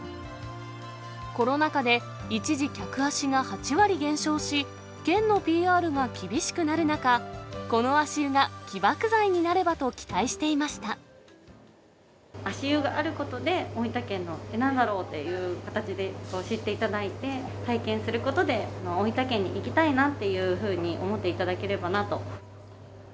コロナ禍で、一時、客足が８割減少し、県のＰＲが厳しくなる中、この足湯が起爆剤に足湯があることで、大分県を、えっ、なんだろう？っていう形で知っていただいて、体験することで大分県に行きたいなっていうふうに思っていただければなと。